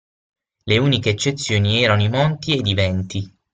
Le uniche eccezioni erano i Monti ed i Venti.